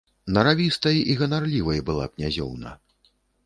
Наравістай і ганарлівай была князёўна.